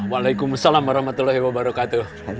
waalaikumsalam warahmatullahi wabarakatuh